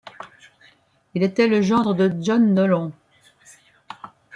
Il était le gendre de John Dollond.